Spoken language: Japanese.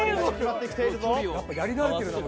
やっぱやり慣れてるな。